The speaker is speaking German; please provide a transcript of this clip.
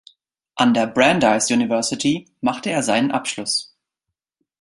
An der Brandeis University machte er seinen Abschluss.